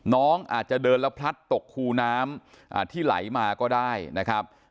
น้องอาจจะเดินแล้วพลัดตกคูน้ำที่ไหลมาก็ได้นะครับ